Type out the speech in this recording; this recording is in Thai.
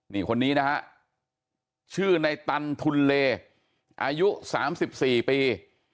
นี่คนนี้นะฮะชื่อในตันทุนเลอายุ๓๔ปี